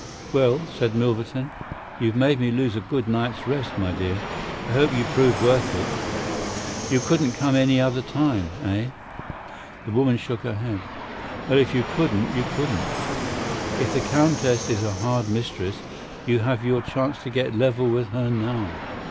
"Well," said Milverton, "you've made me lose a good night's rest, my dear. I hope you'll prove worth it. You couldn't come any other time—eh?" The woman shook her head. "Well, if you couldn't you couldn't. If the Countess is a hard mistress you have your chance to get level with her now.